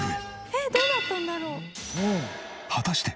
えっどうなったんだろう？